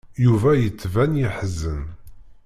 Yuba yettban yeḥzen.